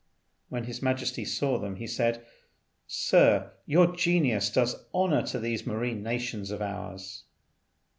When His Majesty saw them, he said, "Sir, your genius does honour to these marine nations of ours."